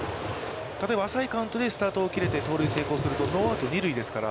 例えば浅いカウントでスタートを切れて盗塁が成功するとノーアウト、二塁ですから。